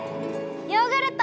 ヨーグルト！